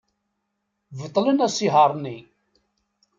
Beṭlen asihaṛ-nni.